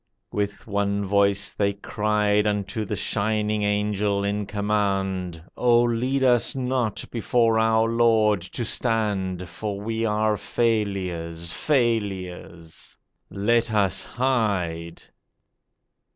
With one voice they cried Unto the shining Angel in command: 'Oh, lead us not before our Lord to stand, For we are failures, failures! Let us hide.